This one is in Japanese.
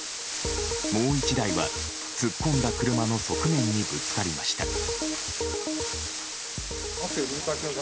もう１台は突っ込んだ車の側面にぶつかりました。